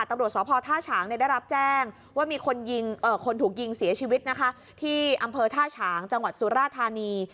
ตำรวจสพท่าฉางได้รับแจ้งว่ามีคนยิงคนถูกยิงเสียชีวิตนะคะที่อำเภอท่าฉางจังหวัดสุราธานี